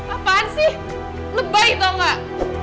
apaan sih lebay tau gak